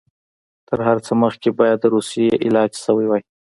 تر هر څه مخکې باید د روسیې علاج شوی وای.